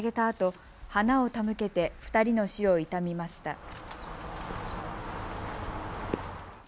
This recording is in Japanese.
あと花を手向けて２人の死を悼みました。